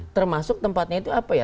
termasuk tempatnya itu apa ya